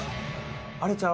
あれちゃう？